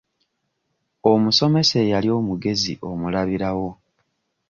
Omusomesa eyali omugezi omulabirawo.